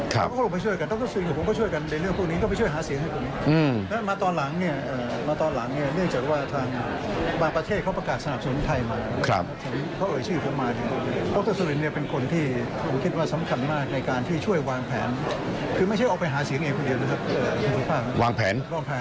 เขาก็ลงไปช่วยกันตรซุรินทร์กับผมก็ช่วยกันในเรื่องพวกนี้ก็ไปช่วยหาเสียงให้พวกนี้